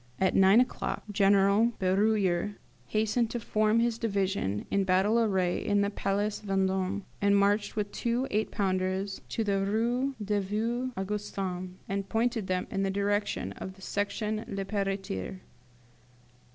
At nine o'clock General Beruyer hastened to form his division in battle array in the Place Vendôme, marched with two eight pounders to the Rue des Vieux Augustins, and pointed them in the direction of the Section Le Pelletier.